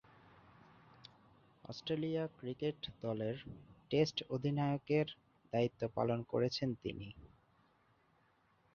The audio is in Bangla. অস্ট্রেলিয়া ক্রিকেট দলের টেস্ট অধিনায়কের দায়িত্ব পালন করেছেন তিনি।